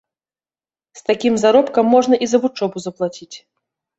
З такім заробкам можна і за вучобу заплаціць.